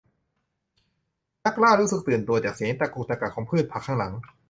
นักล่ารู้สึกตื่นตัวจากเสียงตะกุกตะกักของพืชผักข้างหลัง